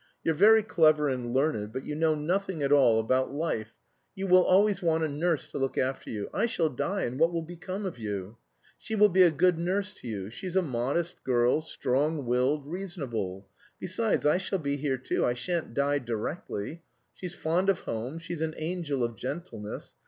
You're very clever and learned, but you know nothing at all about life. You will always want a nurse to look after you. I shall die, and what will become of you? She will be a good nurse to you; she's a modest girl, strong willed, reasonable; besides, I shall be here too, I shan't die directly. She's fond of home, she's an angel of gentleness.